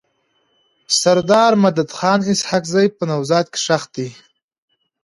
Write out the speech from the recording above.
سردار مددخان اسحق زی په نوزاد کي ښخ دی.